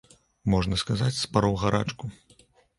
Можна сказаць, спароў гарачку.